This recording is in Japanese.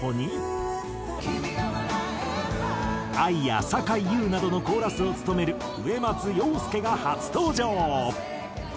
ＡＩやさかいゆうなどのコーラスを務める植松陽介が初登場！